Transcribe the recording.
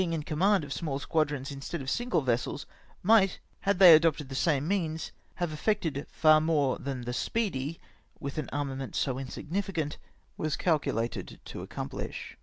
119 in command of small squadrons instead of single vessels, might, had they adopted the same means, have effected far more than the Speedy, with an armament so insigni ficant, was calculated to accomphsh.